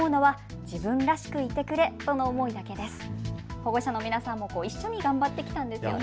保護者の皆さんも一緒に頑張ってきたんですよね。